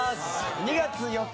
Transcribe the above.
２月８日